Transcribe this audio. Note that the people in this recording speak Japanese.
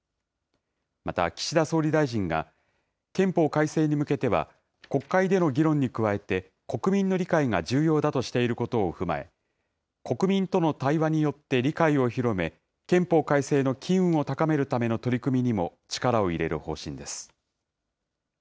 また、岸田総理大臣が、憲法改正に向けては、国会での議論に加えて国民の理解が重要だとしていることを踏まえ、国民との対話によって理解を広め、憲法改正の機運を高めるための取り組みにも力を入れる方針です。